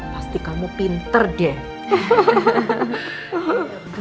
pasti kamu pinter deh